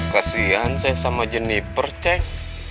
kasian saya sama jenniper cek